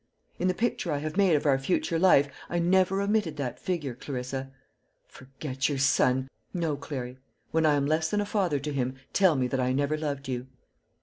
In the picture I have made of our future life, I never omitted that figure, Clarissa. Forget your son! No, Clary; when I am less than a father to him, tell me that I never loved you."